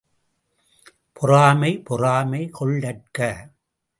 பொறாமை பொறாமை கொள்ளற்க!